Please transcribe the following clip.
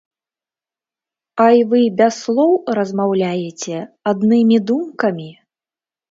А й вы без слоў размаўляеце, аднымі думкамі?